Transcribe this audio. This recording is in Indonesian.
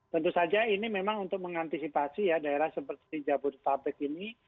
tentu saja ini memang untuk mengantisipasi ya daerah seperti jabodetabek ini